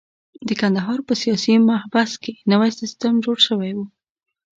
د کندهار په سیاسي محبس کې نوی سیستم جوړ شوی وو.